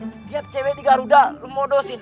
setiap cewek di garuda modosin